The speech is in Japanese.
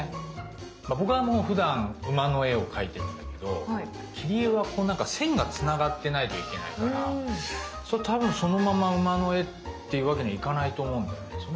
僕はもうふだん馬の絵を描いているんだけど切り絵は線がつながってないといけないからたぶんそのまま馬の絵っていうわけにはいかないと思うんだよね。